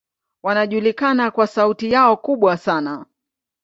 Wanajulikana kwa sauti yao kubwa sana.